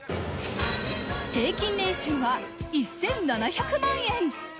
平均年収は１７００万円。